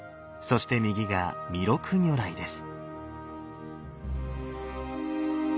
そして右が弥勒如来です。